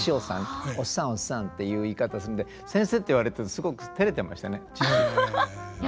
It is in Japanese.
おっさんおっさんっていう言い方するんで「先生」って言われてすごくテレてましたね。